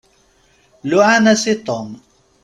Luɛan-as i Tom.